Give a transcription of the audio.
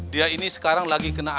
dia ini sekarang lagi ke rumah sakit